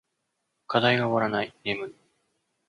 課題が終わらない。眠い。